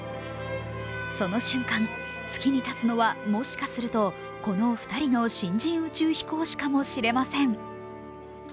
その瞬間、月に立つのはもしかするとこの２人の新人宇宙飛行士かもしれません。